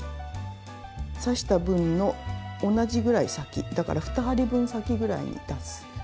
刺した分の同じぐらい先だから２針分先ぐらいに出す。